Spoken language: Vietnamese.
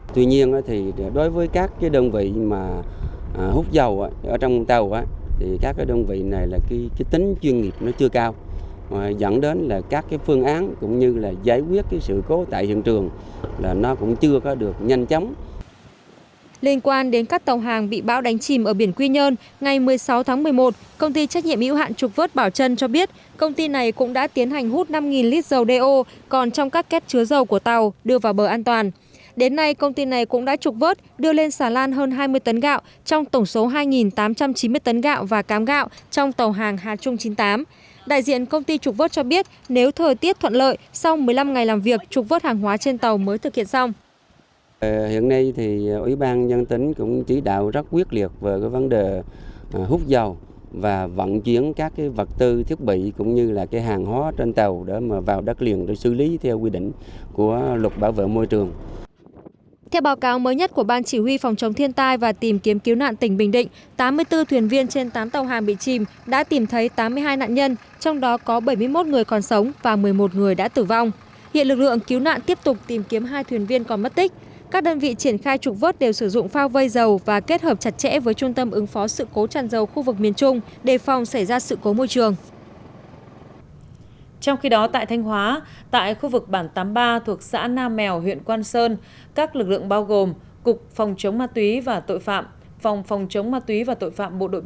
tránh án tòa án nhân dân tối cao viện trưởng viện kiểm sát nhân dân tối cao viện trưởng viện kiểm sát nhân dân tối cao viện trưởng viện kiểm sát nhân dân tối cao viện trưởng viện kiểm sát nhân dân tối cao viện trưởng viện kiểm sát nhân dân tối cao viện trưởng viện kiểm sát nhân dân tối cao viện trưởng viện kiểm sát nhân dân tối cao viện trưởng viện kiểm sát nhân dân tối cao viện trưởng viện kiểm sát nhân dân tối cao viện trưởng viện kiểm sát nhân dân tối cao viện trưởng viện kiểm sát nhân d